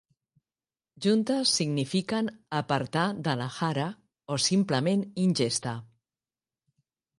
Juntes signifiquen "apartar de l'ahara" o simplement ingesta.